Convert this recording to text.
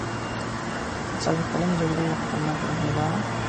د څلوېښت کلنې جګړې یوه خطرناکه روحیه دا وه.